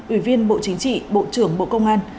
ủy viên bộ chính trị bộ trưởng bộ công an